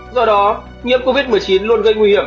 do đó nhiễm covid một mươi chín luôn gây nguy hiểm